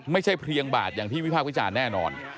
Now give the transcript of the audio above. ไม่ใช่เพียงบาทอย่างที่วิพากษ์วิจารณ์แน่นอน